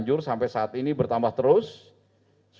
dalam penanganan bencana alam ini